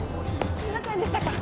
見ませんでしたか？